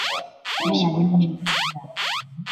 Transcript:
现任普雷斯顿的领队。